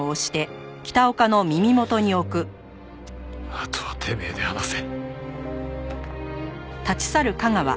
あとはてめえで話せ。